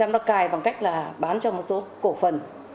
một mươi năm nó cài bằng cách là bán cho một số cổ phần